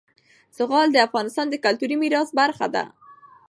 زغال د افغانستان د کلتوري میراث برخه ده.